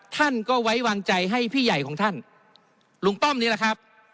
ท่านก็ไว้วางใจให้พี่ใหญ่ของท่านลุงป้อมนี่แหละครับ